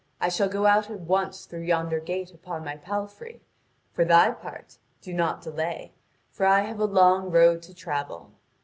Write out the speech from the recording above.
I shall go out at once through yonder gate upon my palfrey. For thy part, do not delay, for I have a long road to travel.